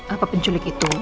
apa penculik itu